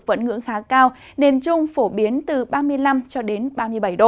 vẫn ngưỡng khá cao nền trung phổ biến từ ba mươi năm cho đến ba mươi bảy độ